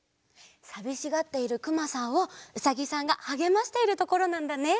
さびしがっているくまさんをうさぎさんがはげましているところなんだね。